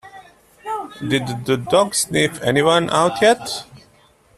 Did the dog sniff anyone out yet?